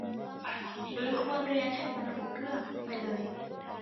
หรือควรเรียนให้มันถูกเรื่องไปเลย